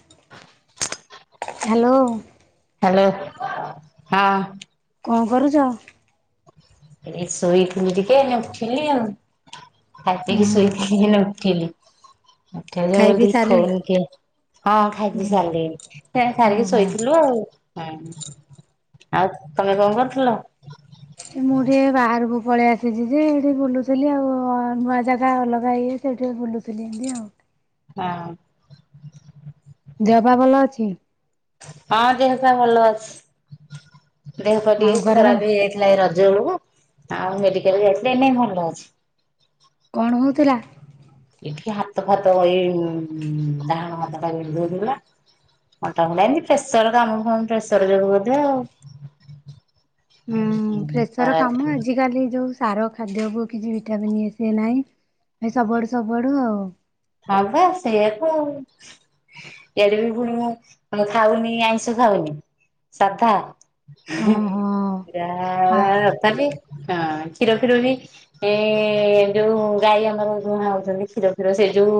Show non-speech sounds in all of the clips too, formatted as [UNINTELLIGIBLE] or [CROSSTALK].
[UNINTELLIGIBLE] Hello. Hello ହଁ। କଁ କରୁଚ। ଏ ଶୋଇଥିଲି ଟିକେ ଏଇନେ ଉଠିଲି ଆଉ। ଖାଇ ପିଇକି ହୁଁ ଶୋଇଥିଲି ଏଇନେ ଉଠିଲି ଉଠିଲି ମୁ ଖାଇ କଇଲି ପିଇ ଟିକେ ସାରିଲ ଫୋନ କିଏ। ହଁ ଖାଇ ହୁଁ ପିଇ ସାରିଲିଣି ଫେନେ ଖାଇକି ଓହୋ। ଶୋଇଥିଲୁ ଆଉ ହୁଁ। ଆଉ ତମେ କଁ କରୁଥିଲ। ମୁଁ ଟିକେ ଏ ବାହାରକୁ ପଳେଇ ଆସିଛି ଯେ ଏଠି ବୁଲୁଥିଲି ଆଉ ନୂଆ ଜାଗା ଅଲଗା ଇଏ‌। ଟିକେ ବଲୁଥଲି ଏନ୍ତି ଆଉ। ହଁ। ଦେହ ପା ଭଲ ଅଛି? ହଁ ଦେହ ଭଲ ଅଛି, ଦେହ ପା ଆଉ ଟିକେ ଘରେ ତମ ଖରାପ ହେଇଯାଇଥିଲା ଏଇ ରଜ ବେଳକୁ ଆଉ ମେଡିକାଲ ଯାଇଥିଲି ଏନେ ଭଲ ଅଛି। କଣ ହଉଥିଲା? ଏଠି ହାତ ଫାତ ଏଇ ଡାହାଣ ହାତଟା ବିନ୍ଧୁ ଥିଲା। ମୋଟାମୋଟ ଏମିତି ପ୍ରେସର କାମ ଫାମ୍ ପ୍ରେସର ଯୋଗୁ ବୋଧେ ଆଉ। ହୁଁ ପ୍ରେସର କାମ ଖରାପ ଆଜିକାଲି ଯୋଉ ସାର ଖାଦ୍ୟକୁ କିଛି ଭିଟାମିନ୍ ଇଏ ସେ ନାଇଁ ଏ ସବୁଆଡୁ ସବୁଆଡୁ ଆଉ ହବା ସେଇୟାତ। ଏବେବି ପୁଣି ମୁଁ ଆଉ ଖାଉନି ଆଇଁଷ ଖାଉନି, ସାଧା। କାଲି। ଓହୋ। ହଁ ହଁ କ୍ଷୀର ଫିର ବି ଏ-ଏ ଯୋଉ ଗାଈ ଆମର ଦୁହାଁ ହଉଛନ୍ତି, କ୍ଷୀର ଫିର ସେଇ ଯୋଉ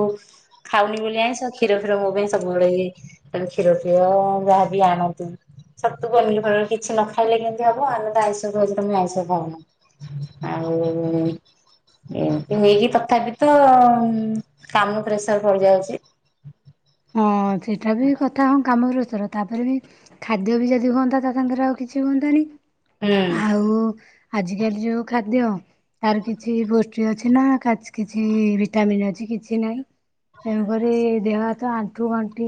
ଖାଉନି ବୋଲି ଆମିଶ କ୍ଷୀର ଫିର ମୋ ପାଇଁ ସବୁବେଳେ କ୍ଷୀର ଫିର ଯାହାବି ଆଣନ୍ତୁ। ଛତୁ ପନିର ଫନିର୍ କିଛି ନ ଖାଇଲେ କେମିତି ହବ, ଆମେ ତ ଆଇଷ ଖାଉଚୁ ତମେ ଆଇଷ ଖାଉନ। ଆଉ ଏମିତି ହେଇକି ତଥାପି ତ କାମ ପ୍ରେସର ପଡିଯାଉଛି। ହଁ ସେଟା ବି କଥା। ହଁ କାମରେ ଅ ର ତାପରେ ବି ଖାଦ୍ୟ ବି ଯଦି ହୁଅନ୍ତା ତା ସାଙ୍ଗରେ ଆଉ କିଛି ହୁଅନ୍ତାନି। ହୁଁ। ଆଉ ଆଜିକାଲି ଯୋଉ ଖାଦ୍ୟ। ତାର କିଛି ପୋଷ୍ଟି ଅଛି ନା କିଛି ଭିଟାମନ୍ ଅଛି କିଛି ନାହିଁ। ତେଣୁକରି ଦେହ ତ ଆଣ୍ଠୁ ଗଣ୍ଠି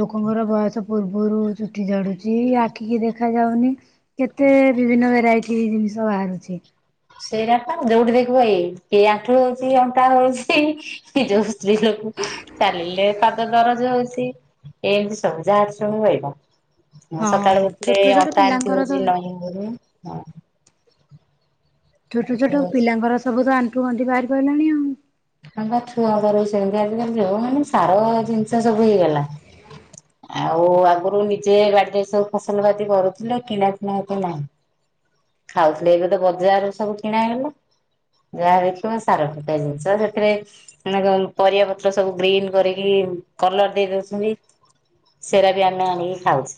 ଲୋକଙ୍କର ବୟସ ପୂର୍ବରୁ ଚୁଟି ଝଡୁଛି, ଆଖିକି ଦେଖା ଯାଉନି। କେତେ ବିଭିନ୍ନ ଭେରାଇଟି ଜିନିଷ ବାହାରୁଛି। ସେଇଟା ପା ଯୋଉଠି ଦେଖିବୁ ଏଇ, ଏଇ ଆଣ୍ଠୁ ହଉଛି ଅଣ୍ଟା ହଉଛି କି ଯୋଉ ସ୍ତ୍ରୀ ଲୋକ ଚାଲିଲେ ପାଦ ଦରଜ ହଉଛି, ଏମିତି ସବୁ ଯାହା କହିବା। ହଁ ସକାଳେ ଉଠିଲେ ଛୋଟ ଛୋଟ ଅଣ୍ଟା ଏମତି ପିଲାଙ୍କର ତ ହଉଚି, ନଇଁ ହଉନି। ଛୋଟ ଛୋଟ ହଉଛି। ପିଲାଙ୍କର ସବୁ ତ ଆଣ୍ଠୁ ଗଣ୍ଠି ବାହାରି ପାଡିଲାଣି ଆଉ। ହ ବା ଛୁଆଙ୍କର ବି ସେମିତି, ଆଜିକାଲି ଯଉ ମାନେ ସାର ଜିନିଷ ସବୁ ହେଇଗଲା। ଆଉ ଆଗରୁ ନିଜେ ବାଡିରେ ସବୁ ଫସଲ ବାତି କରୁଥିଲେ କିଣା ଫିଣା ଏତେ ନାହିଁ। ଖାଉଥିଲେ ଏବେ ତ ବଜାର ସବୁ କିଣା ହେଇଗଲା। ଯାହା ଦେଖିବ ସାର ଫିକା ଜିନିଷ ସେ ରେ ମାନେ କଣ ପରିବା ପତ୍ର ସବୁ ଗ୍ରୀନ୍ କରିକି କଲର ଦେଇ ଦଉଛନ୍ତି। ସେରା ବିି ଆମେ ଆନିକି ଖାଉଛେ।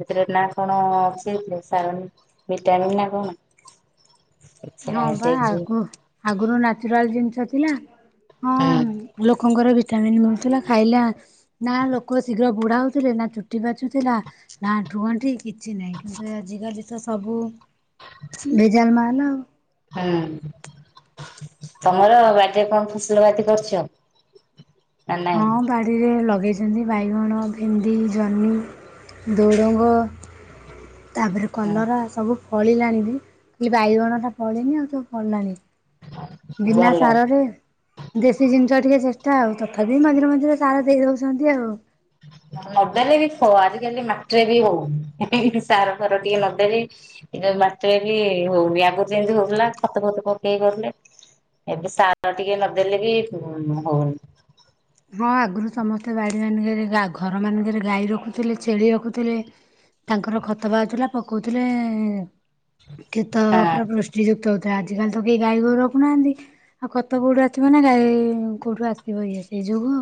ସେଥିରେ ନା କଣ ଅଛି, ସେଥିରେ ଭଟାମିନ୍ ନା କଣ? କିଛି ହଁ ନାହିଁ ବା ସେଇ ଯୁ ଆଗ ଆଗରୁ ନାଚୁରାଲ ଜିନିଷ ଥିଲା। ହଁ ହୁଁ ଲୋକଙ୍କର ବି ଭିଟାମନ୍ ମିଳୁଥିଲା, ଖାଇଲା ନା ଲୋକ ଶୀଘ୍ର ବୁଢା ହଉଥିଲେ ନା ଚୁଟି ପାଚୁଥିଲା। ନା ଆଣ୍ଠୁଗଣ୍ଠି କିଛି ନାହିଁ, କିନ୍ତୁ ଆଜିକାଲି ତ ସବୁ ଭେଜାଲ ମାଲ ଆଉ। ହଁ। ତମର ବାଡିରେ କଣ ଫସଲ ବାତି କରୁଛ? ହଁ ବାଡିରେ ଲଗେଇଛି ଯେମିତି ବାଇଗଣ, ଭେଣ୍ଡି, ଜହ୍ନି, ଝୁଡଙ୍ଗ। ତାପରେ ହଁ କଲରା, ସବୁ ଫଳିଲାଣି ବି ଖାଲି ବାଇଗଣ ଟା ଫଳିନି ଆଉ ସବୁ ଫଳିଲାଣି। ବିନା ଭଲ ସାରରେ ଦେଶୀ ଜିନିଷ ଟିକେ ଚେଷ୍ଟ ଆଉ ତଥାପି ମଝିରେ ମଝିରେ ସାରା ଦେଇଦଉଛନ୍ତି ଆଉ। ନଦେଲେ ବି ଖ ଆଜିକାଲି ମାଟିରେ ବି ହଉନି, ସାର ଫାର ଟିକେ ନଦେଲେ ଇ ମାଟିରେ ବି ହଉନି, ଆଗରୁ ଯେମିତି ହଉଥିଲା ଖତ ଫତ ପକେଇ କରୁଥିଲେ। ଏବେ ସାର ଟିକେ ନଦେଲେ ବି ହଉନି। ହଁ ଆଗରୁ ସମସ୍ତେ ବାଡ଼ି ମାନଙ୍କରେ ଘର ମାନଙ୍କରେ ଗାଇ ରଖୁଥିଲେ ଛେଳି ରଖୁଥିଲେ। ତାଙ୍କର ଖତ ବାହାରୁଥିଲା ପକଉଥିଲେ। କ୍ଷେତ ହଁ ପୁରା ପୃଷ୍ଟିଯୁକ୍ତ ତ ଆଜିକାଲି ତ କେହି ଗାଈ ଗୋରୁ ରଖୁନାହାନ୍ତି। ଆଉ ଖତ କେଉଠୁ ଆସିବ ନା ଗାଈ କେଉଠୁ ଆସିବ ଇଏ। ସେ ଯୋଗୁଁ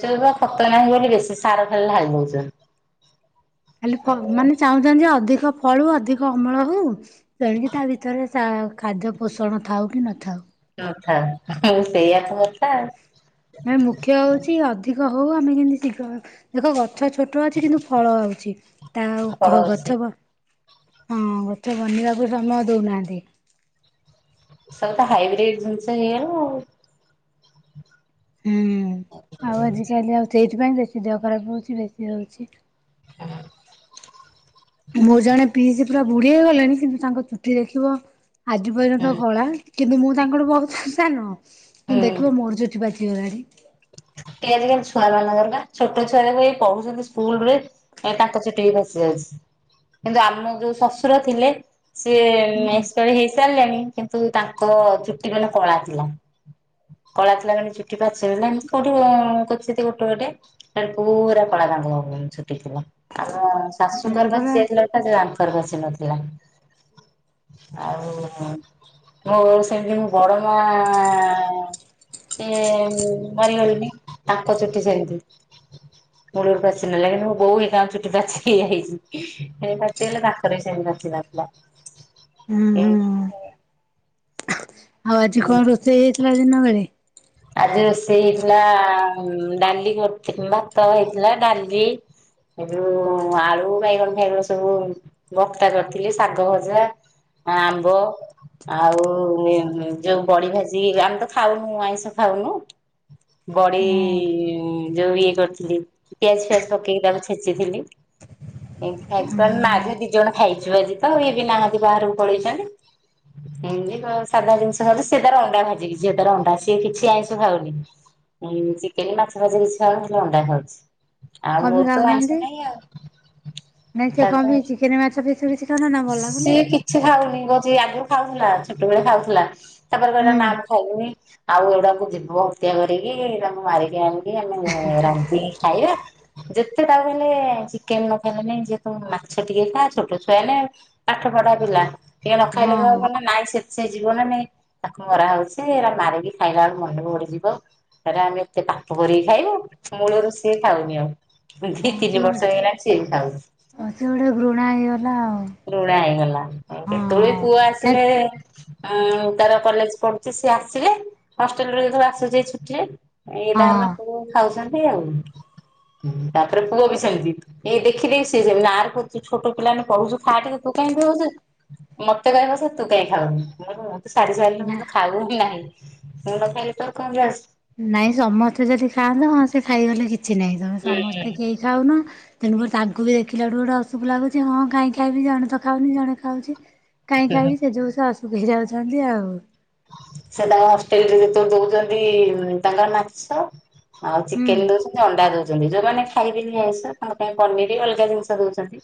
ସେଇ ବା ଖତ ନାହିଁ ବୋଲି ବେଶୀ ସାର ଖାଲି ଢାଳି ଦଉଛନ୍ତି। ଖାଲି ଆଉ ମାନେ ଚାହୁଁଛନ୍ତି ଯେ ଅଧିକ ଫଳୁ ଅଧିକ ଅମଳ ହଉ। ତଣକି ତା ଭିତରେ ତା ଖାଦ୍ୟ ପୋଷଣ ଥାଉ କି ନଥାଉ। କଥା ସେଇଆକୁ ମ ମୁଖ୍ୟ ହଉଛି ଅଧିକ ହଉ ଆମେ କେମତି ଶୀଘ୍ର ଦେଖ ଗଛ ଛୋଟ ଅଛି କିନ୍ତୁ ଫଳ ଆଉଛି। ତା ଆଉ ଫଳ କହ ଅଛି। ଗଛବ ହଁ ଗଛ ବନିବାକୁ ସମୟ ଦଉନାହାନ୍ତି। ସବ ତ ହାଇବ୍ରିଡ ଜିନିଷ ହେଇଗଲା। ହୁଁ ଆଉ ଆଜିିକାଲି ଆଉ ସେଇଥିପାଇଁ ବେଶୀ ଦେହ ଖରାପ ହଉଛି ବେଶୀ ହଉଛି। ମୁଁ ଜଣେ ପିଇ ସେ ପୁରା ବୁଢ ହେଇ ଗଲେଣି କିନ୍ତୁ ତାଙ୍କ ଚୁଟି ଦେଖିବ ଆଜି ପର୍ଯ୍ୟନ୍ତ କଳା କିନ୍ତୁ ମୁଁ ତାଙ୍କଠୁ ବହୁତ ଆ ସାନ କିନ୍ତୁ ହୁଁ। ଦେଖିବ ମୋର ଚୁଠ ବା [UNINTELLIGIBLE] ଆଜିକାଲି ଛୁଆମାନାନଙ୍କ ଦରକାର ଛୋଟ ଛୁଆ ଯାବ ଏଇ ପଢୁଛନ୍ତି ସ୍କୁଲ ରେ ତାଙ୍କ ଚୁଟି ବି ପାଚି ଯାଉଛି। କିନ୍ତୁ ଆମ ଯୋଉ ଶ୍ଶୁର ଥିଲେ ସିଏ ହୁଁ ଏକ୍ସପର ହେଇସାରିଲେଣି କିନ୍ତୁ ତାଙ୍କ ଚୁଟି ମାନେ କଳା ଥିଲା। ହ କଳା ଥିଲା ଗାଣ୍ଡେ ଚୁଟି ପାାରୁଚ ନା ଏମିତି କୋଉଠି କର ଗୋଟେ ଗୋଟେେ ପୁରା କଳା କାଣ୍ଡ ହବ। ଚୁଟି ଥିଲା ଆମ ହଁ ଶାଶୁଙ୍କର ପାଚି ପରା। ଯାଇଥିଲା ତଙ୍କର ପାଚି ନଥିଲା। ଆଉ ମୁ ସେମତି ବଡ ମା ସଏ ମାରିଗଲେଣିି ତାଙ୍କ ଚୁଟି ସେମିତି। ମୂଳରୁ ପାଚ ନେଲେ କିନ୍ତୁ ମୋ ବୋଉ ହେ କାଁ ଚୁଟି ପାଚ ହେିଯାଇଛି ସେ ପାଚ ହେଲେ ପାଖରେ ବି ସେ ବାଚି [UNINTELLIGIBLE] ହୁଁ ହୁଁ। ଆଉ ଆଜିିକଣ ରୋଷେଇ ହେଇଥିଲା ଦିନ ବେଳେ? ଆଜି ରୋଷେଇ ହେଇଥିଲା ଡାଲି କର ଭାତ ହେଇଥିଲା ଡାଲି ଏବେ ଆଳୁ ବାଇଗଣ ଖାଇଗ ସବୁ ଭକ୍ତା କରିଥିଲି ଶାଗ ଭଜା ଆମ୍ବ ଆଉ ଯୋଉ ବଡି ଭାଜି ଆମେ ତ ଖାଉନୁ ଆଇଁଷ ଖାଉନୁ ବଡି ହଁ ଯୋଉ ଇଏ କରିଥିଲି ପିଆଜ ଫିଆଜ ପକେଇକି ତାକୁ ଛେଚିଥିଲି। ଏତି ଖାଇେ ମାଝ ବି ଦି ଜଣ ଖାଇଛୁ ଆଜି ତ ଇଏ ବି ନାହାନ୍ତି ବାହାରକୁ ପଳେଇଛନ୍ତି। ସାଧା ଜିନିଷ ସେ ତାର ଅଣ୍ଡା ଭାଜି କି ଯିଏ ତାର ଅଣ୍ଡା ସିଏ କି କିଛି ଆଇଁଷ ଖାଉନି ଚିକେନ ମାଛ ଭାଜ କିଛୁଆ ହେଲେ ଅଣ୍ଡା ଖାଉଛି। ଆଉ କଣ ପାଇଁ ମୋର ତ ଆଇଁଷ ଖାଉନାହାନ୍ତି? ନାଇ ନାଇଁ ଆଉ। ସେ କଣ ସାଧା। ପାଇଁ ଚିକେନ ମାଛ ବେଶୀ କିଛି ଖାଉନ ନା ଭଲ ଲାଗୁନି ସିଏ କିଛି ଖାଉନି କହୁଛି ଆଗରୁ ଖାଉଥିଲା ଛୋଟବେଳେ ଖାଉଥିଲା। ତାପରେ କହିଲା ହୁଁ ନା ଖାଇନି ଆଉ ଏଗୁାକୁ ଦିମବ ହତ୍ୟା କରିକିଇ ତାଙ୍କୁ ମାରିକି ଆଣି ଆମେ ରାନ୍ଧ ଖାଇବା ଯେତେ ତାକୁ ଖଲେ ଚିକେନ ନ ଖାଇଲେନି ଯିଏ ତମ ମାଛ ଟିକେ ଖା ଛୋଟ ଛୁଆ ନ ପାଠ ପଢା ପିଲା ଟିକେ ହଁ। ନଖାଇଲେ ମାନେ ନାଇଁ ସେ ସେ ଯିବ ନା ନାଇଁ ତାକୁ ମରା ହଉଛି ଏା ମାରିକି ଖାଇଲା ବେଳେ ମଣ୍ଡ ବି ବଡିଯିବ ସେଟା ଆମେ ଏତେ ପାପ କରିକି ଖାଇବ ମୂଳରୁ ଷିଏ ଖାଉନି ଆଉ। ଦି ହଁ ସେ ତିନି ବର୍ଷ ଗୋଟେ ହେଇ ଗଲାଣି ସେ ଖାଇନି। ହଁ ସେ ଗୋଟେ ଘୃଣା ହେଇଗଲା ଆଉ ରୁଣା ହେଇଗଲା କେତେବେଳେ ବି ହଁ ପୁଅ ହେ ଆସିଲେ ତାର କଲେଜ ପଢୁଛି ସ ଆସିଲେ ହଷ୍ଟେଲୁ ଆସୁଛି ଛୁଟିରେ ଏଇ ତାର ହଁ ବାପ ଖାଉଛନ୍ତି ଆଉ। ତାପରେ ପୁଅ ବି ସେମତି, ଏଇ ଦେଖିଦେଇ ସିଏ ସେମିତି। ନାରେ ପୁଅ ତୁ ଛୋଟ ପିଲାମାନେ ପଢୁଛୁ। ଖା ଟିକେ ତୁ କାଇଁ ଏମିତି ହୋଉଛୁ, ମତେ କହିବ ସେ ତୁ କାହିଁକି ଖାଉନୁ? ସାର ସାଇଲେ ମୁଁ ନା ତ ଖାଉ ହି ନାହିଁ। ମୁଁ ନ ଖାଇଲେ ତୋର କଅ ଜଉସୀ? ନାଇଁ ସମସ୍ତେ ଯଦି ଖାଆନ୍ତି, ହଁ ସେ ଖାଇ ଯାଉଛି ତେଣୁକରି ତାଙ୍କୁ ବି ଦେଖିଲା ଠୁ ଗୋଟେ ଅଶୁଖ ଲାଗୁଛି, ହଁ କାହିଁକି ଖାଇବି ଜଣେ ତ ଖାଉନି ଜଣେ ଖାଉଛି [INAUDIBLE] କାଇକି ହୁଁ ଖାଇବି? ସେ ଯୋଉ ଅସୁଖ ହେଇ ଯାଉଛନ୍ତି ଆଉ। ସେ ତାଙ୍କ ହଷ୍ଟେଲରେ ଯେତେବେଳେ ଦୋଉଛନ୍ତି ତାଙ୍କ ନାଚ ଆଉ ହୁଁ ଚିକେନ ଦୋଉଛନ୍ତି, ଅଣ୍ଡା ଦୋଉଛନ୍ତି। ଯୋଉମାନେ ଖାଇବେନି ଆଇଁସ, ତାଙ୍କ ପାଇଁ ପନିରି, ଅଲଗା ଜିନିଷ ଦୋଉଚନ୍ତି।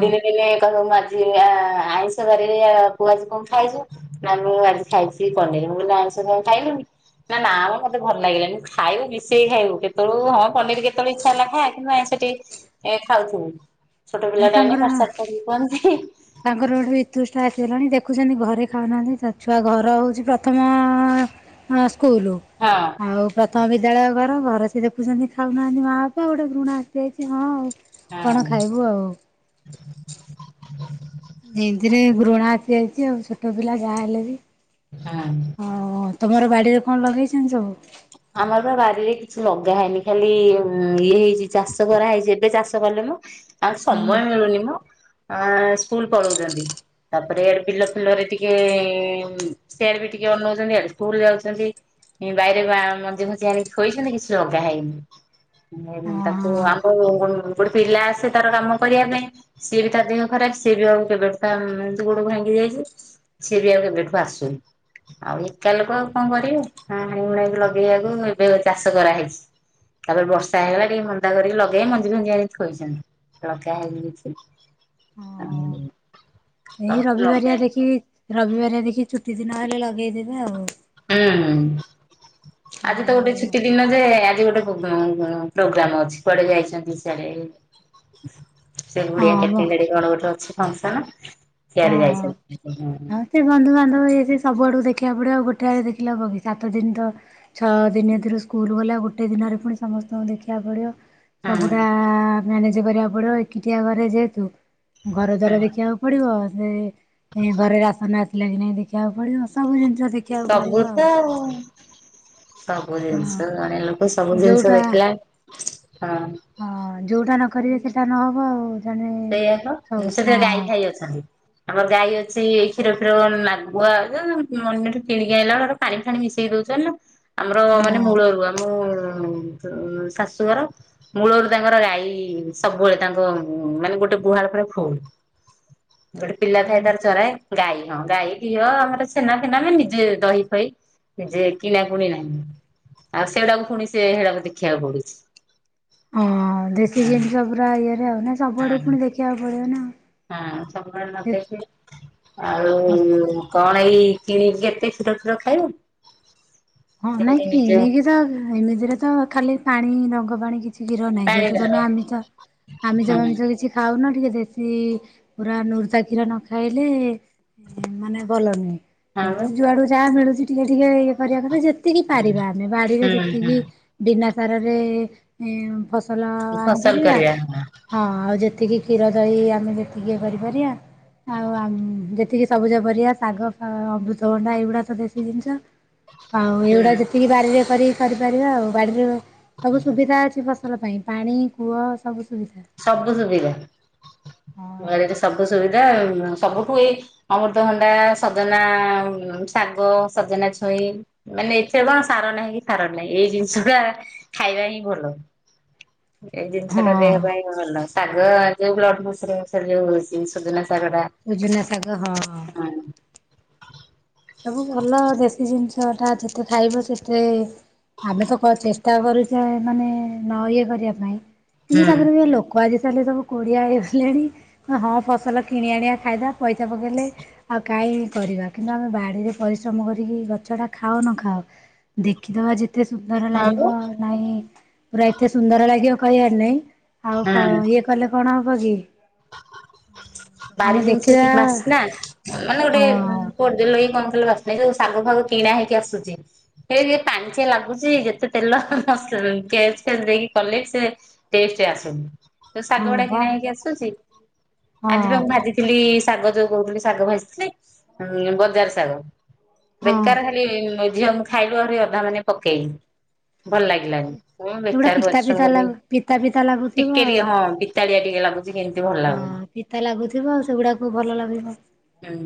ଦିନେ ଦିନେ [UNINTELLIGIBLE] ମୁଁ ଆଜି ଆ-ଆଇଁଷ ବାରି ରେ କୁ ଆଜି କଣ ଖାଇଛୁ ନା ମୁଁ ଆଜି ଖାଉଚି ପନିର ମୁଁ କାଇଲି ଆଇଁଷ ତୁ ଆଉ ଖାଇଲୁନି? ନା ନା ମ ମତେ ଭଲଲାଗିଲାନି ଖାଇବୁ ମିଶେଇ ଖାଇବୁ କେତଳୁ ଉ ହଁ ପନିର କେତେବେଳେ ଇଚ୍ଛା ହେଲା ଖା କି ନାଇଁ ସେଠି ଏ ଖାଉଥୁବୁ। ଛୋଟ ହଁ ପିଲାଟା ଏଇନେ ପାଠ ତାଙ୍କର ସାଠ କରିବୁ କୁହନ୍ତି। ତାଙ୍କର ଗୋଟେ ବିତୁଷ୍ଟା ଆସିଗଲାଣି ଦେଖୁଚନ୍ତି ଘରେ ଖାଉନାହାନ୍ତି ତା ଛୁଆ ଘର ହଉଛି ପ୍ରଥମ ଅ ହଁ ସ୍କୁଲ ହଁ ଆଉ ପ୍ର ଥମ ବିଦ୍ୟାଳୟ ଘର ଘରେ ସେ ଦେଖୁଚନ୍ତି ଖାଉନାହାନ୍ତି ମା ବାପା ଆଉ ଗୋଟେ ଘୃଣା ଆସିଯାଇଛି ହଁ ଆଉ। ହଁ କଣ ଖାଇବୁ ଆଉ? ଯେତିରେ ଘୃଣା ଆସିଯାଇଚି ଆଉ ଛୋଟ ପିଲା ଯାହା ହେଲେ ବି। ହଁ। ବାଡ଼ିରେ କଣ ଲଗେଇଛନ୍ତି ସବୁ? ଆମର ବାରିରେ କିଛି ଲଗା ହେଇନି ଖାଲି ଇଏ ହେଇଚି ଚାଷ କରାହେଇଚି ଏବେ ଚାଷ କଲେ ମ ଆଉ ହୁଁ। ସମୟ ମିଳୁନି ମ। ଅ ସ୍କୁଲ ପଳଉଚନ୍ତି ତାପରେ ବିଲ ଫିଲରେ ଟିକେ ସେଆରେ ବି ଟି କି ଅନଉଚନ୍ତି ଇଆଡ଼େ ସ୍କୁଲ ଯାଉଚନ୍ତି ଇଁ ବାଇ ଏ ବାୟଣ ମଞ୍ଜି ଫଜି ଆଣିକି ଥୋଇଛନ୍ତି କିଛି ଲଗା ହେଇନି। ତାକୁ ଆମ୍ବ ଗୋ ଗୋଟେ ପିଲା ଆସେ ତାର କାମ କରିବା ପାଇଁ ସିଏ ବି ତା ଦେହ ଖରା ସିଏ ବି ଆଉ କେବେଠୁ ତା ଏମିତି ଗୋଡ ଭାଙ୍ଗି ଯାଇଚି ସିଏ ବି ଆଉ କେବେଠୁ ଆସୁନି। ଆଉ ଏକା ଲୋକ ଆଉ କଣ କରିବେ ହଁ ହାଣିହୁଣାଇକି ଲଗେଇବାକୁ ଏବେ ଚାଷ କରାହେଇଛି। ତାପରେ ବର୍ଷା ହେଇଗଲା ଟିକେ ମନ୍ଦା କରିକି ଲଗେବେ ମଞ୍ଜି ଫଞ୍ଜି ଆଣିକି ଥୋଇଚନ୍ତି। ଲଗା ହେଇନି କିଛି ଆଉ ଏଇ ରବିବାରିଆ ଦେଖିକି ରବିବାରିଆ ଦେଖିକି ଚୁଟି ଦିନ ହେଲେ ଲଗେଇଦବେ ଆଉ। ହୁଁ ଆଜି ତ ଗୋଟେ ଛୁଟି ଦିନ ଯେ ଆ ଜି ଗୋଟେ ପୋଗାମ ଉଁ ପୋଗ୍ରାମ ଅଛି କୁଆଡେ ଯାଇଛନ୍ତି ସିଆଡ଼େ। ସେ ବୁଡିଆ ଆଉ ହଁ ମ କେତେ ଗାଡ଼ି କଣ ଗୋଟେ ଅଛି ଫଙ୍କସନ। ସିଆଡେ ହଁ ଯାଇଛନ୍ତି ହୁଁ ହଁ ସେ ବନ୍ଧୁବାନ୍ଧବ ହେଇଚି ସବୁଆଡୁ। ଦେଖିବାକୁ ପଡ଼ିବ ଆଉ ଗୋଟେ ଆଉ ଦେଖିଲେ ହବକି ସାତ ଦିନ ତ ଛଅ ଦିନି ଏଥିରୁ ସ୍କୁଲ ଗଲେ ଆଉ ଗୋଟେ ଦିନରେ ପୁଣି ସମସ୍ତଙ୍କୁ ଦେଖିବାକୁ ପଡ଼ିବ। ସବୁଟା ହୁଁ ମ୍ୟାନେଜ କରିବାକୁ ପଡିବ ଏକୁଟିଆ ଘରେ ଯେହେତୁ। ଘର ଦ୍ୱାର ଦେଖିବାକୁ ପଡିବ ସେ ଘରେ ରାସନ ଆସିଲା କି ନାହିଁ ଦେଖିବାକୁ ପଡିବ ସବୁ ଜିନିଷ ଦେଖିବାକୁ ପଡିବ ସବୁ ଆଉ ତ ଆ ସବୁ ହଁ ଜିନିଷ ଜଣେ ଲୋକ ସବୁ ଜିନିଷ ଯୋଉଟା ଦେଖିଲେ ହଁ ଯୋଉଟା ନ କରିବେ ସେଇଟା ନହବ ଆଉ। ଜଣେ ସେଇଆ ତ ସବୁ ସେଥିରେ ଗାଈ ହଁ ଫାଇ ଅଛନ୍ତି। ଆମର ଗାଈ ଅଛି କ୍ଷୀର ଫିର କଣ ନାଗୁଆ [UNINTELLIGIBLE] ଅନ୍ୟଠୁ କିଣିକି ଆଣିଲା ବେଳର ପାଣି ଫାଣି ମିଶେଇ [UNINTELLIGIBLE] ଚାଲ୍ ର ଆମର ମାନେ ମୂଳରୁ ଆମୁ ଉଁ ଶାଶୁଘର ମୂଳରୁ ତାଙ୍କର ଗାଈ ସବୁବେଳେ ତାଙ୍କ ମାନେ ଗୋଟେ ଗୁହାଳ ପୁରା ଫୁଲ ଗୋଟେ ପିଲା ଥାଏ ହଁ ତାର ଚରାଏ। ଗାଈ ହଁ ଗାଈ ଘିଅ ଆମର ଛେନା ଫେନା ଆମେ ନିଜେ ଦହି ଫଇ ଯେ କିଣାକୁୁଣି ନାହିଁ ଆଉ ସେଉଡାକୁ ଫୁଣି ସେ ହେଡାକୁ ଦେଖିବାକୁ ପଡୁଛି। ହଁ ଦେଶୀ ହଁ ଜିନିଷ ପୁରା ଇଏରେ ଆଉ ନା ସବୁଆଡୁ କୁ ହଁ। ପୁଣି ଦେଖିବାକୁ ପଡିବ ନା ହଁ ସବୁଆଡ଼େ ନ ଦେଖିକି ଆଉ କଁ ପାଇଁ କିଣିକି କେତେ କ୍ଷୀର ଫିର ଖାଇବ। ହଁ ନାଇଁ ଯେମିତି ନିଜେ କିଣିକି ତ ଏମିତିରେ ତ ଖାଲି ପାଣି ରଙ୍ଗ ପାଣି କି କିଛି କ୍ଷୀର ନାଇଁ ଯେହେତୁ ପାଣିିବାର ତମେ ହୁଁ ଆମିଷ ଆମିଷ ଫାମିଷ କିଛି ଖାଉନ। ଟିକେ ଦେଶୀ ପୁରା ନୁରୁତା କ୍ଷୀର ନ ଖାଇଲେ। ମାନେ ଭଲ ହଁ ବା ନୁହେଁ ଯୁଆଡୁ ଯାହା ମିଳୁଚି ଟିକେ ଟିକେ ଇଏ କରିବା କଥା ଯେ ଯେତିକି ପାରିବା ଆମେ ବାଡ଼ିରେ ହୁଁ ଯେତିକି ହୁଁ ବିନା ସାରରେ ଏଁ ଫସଲ ଫସଲ ଆଣିପାରିବା କରିବା ହଁ ଆଉ ଯେତିକି। କ୍ଷୀର ଦହି ଆମେ ଯେତିକି କରିପାରିବା ଆଉ ଆମ୍ ଏତିକି ସବୁଜ ପରିବା ଶାଗ ଫା ଅମୃତଭଣ୍ଡା ଏଇଗୁଡାକ ଦେଶୀ ଜିନିଷ। ଆଉ ହୁଁ ଏଇଗୁଡା ଯେତିକି ବାଡିରେ କରିକି କରିପାରିବା ଆଉ ବାଡିରେ ସବୁ ସୁବିଧା ଅଛି ଫସଲ ପାଇଁ ପାଣି କୂଅ ସବୁ ସୁବିଧା। ସବୁ ସୁବିଧା, ଗାଡିରେ ହଁ ସବୁ ସୁବିଧା ସବୁଠୁ ଅମୃତଭଣ୍ଡା, ସଜନା ଶାଗ, ସଜନା ଛୁଇ ମେ ଏଥିରେ କଣ ସାର ନାହିଁ କି ସାର ନାହିଁ ଏଇ ଜିନିଷ ଟା ଖାଇବା ହିଁ ଭଲ। ଏଇ ଜିନିଷ ଟା ଦେହ ହଁ ପାଇଁ ଭଲ ଶାଗ ଯୋଉ ବ୍ଳଢ଼ ପ୍ରେସର ଯୋଉ ଜିନିଷ ସଜନା ଶାଗ [UNINTELLIGIBLE] ହଁ। ସବୁ ଭଲ ଦେଶୀ ଜିନିଷ ଟା ଯେତେ ଖାଇବ ସେତେ ଆମେ ତ କରିଛେ ଚ ତା କରୁଛେ ମାନେ ନ ଇଏ କରିବା ପାଇଁ କିନ୍ତୁ ହୁଁ ତାପରେବି ଲୋକ ଆ କାଲି ସବୁ କୋଡ଼ିଆ ହେଇଗଲେଣି ହଁ ଫସଲ କିଣି ଆଣିବା ଖାଇଦେବା ପଇସା ପକେଇଲେ ଆଉ କାହିଁ କରିବା କିନ୍ତୁ ଆମେ ବା ପାରେ ପରିଶ୍ରମ କରିକି ଗଛଟା ଖାଅ ନ ଖାଅ ଦେଖିଦବା ଯେ ଏତେ ସୁନ୍ଦର ହଁ ଲାଗିବ ବା ନାଇଁ ପୁରା ଏତେ ସୁନ୍ଦର ଲାଗିବ କହିବାର ନାଇଁ ଆଉ ହୁଁ ଇଏ କଲେ କଣ ହବ କି ଆମେ ବାରି ଜିନିଷ ଦେଖିବା କି ବାସନା ମାନେ ଗୋଟେ ହଁ ପୋଡିଦେଲ କି କଣ ଆଲଗା ବାସ୍ନା ଏଇ ଯୋଉ ଶାଗ ଫାଗ କିଣା ହେଇକି ଆସୁଚି ଏଇକ୍ ପାଣିଚିଆ ଲାଗୁଚି ଯେତେ ତେଲ ମସ ନାଇଁ ପିଆଜ ଫିଆଜ ଦେଇକି କଲେ ସେ ଟେଷ୍ଟ ଆସୁନି ଯୋଉ ଶାଗ ହଁ ଗୁଡା ବା କିଣା ହେଇକି ଆସୁଚି ଆଜି ପା ହଁ ମୁଁ ଭାଜିଥିଲି ଶାଗ ଯୋଉ କୋହୁଥିଲି ଶାଗ ଭାଜିଥିଲେ ବଜାର ଶାଗ ହଁ। ବେକାର ଖାଲି ଝିଅ ମୁଁ ଖାଇଲୁ ଆହୁରି ଅଧା ମାନେ ପକେଇଲୁ ଭଲ ଲାଗିଲାନି। ହଁ ସେଗୁଡା ବେକାର ପିତା ପରିଶ୍ରମ ପିତା କରିବି ଲାଗୁ ପିତା ପିତା ଲାଗୁଥିବ ଟିକେ ଆଉ। ଟିକେ ହଁ ପିତାଳିଆ ଟିକେ ଲାଗୁଚି କେମତି ହଁ ପିତା ଲାଗୁଥିବ ସେଗୁଡାକ କୋଉ ଭଲ ଲାଗିବ। ହୁଁ।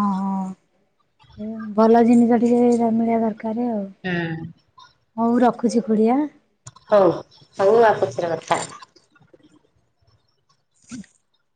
ଅହଁ ଭଲ ଜିନିଷ ଟିକିଏ ମିଳିବା ଦରକାର କାରେ ଆଉ ହୁଁ। ହୋଉ ରଖୁଚି ଖୁଡି ଆଁ ହୋଉ ହୋଉ ଆଉ ପଛରେ କଥା ହବା [INAUDIBLE]